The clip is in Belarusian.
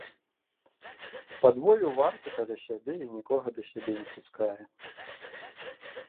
Падвоіў варту каля сябе і нікога да сябе не пускае.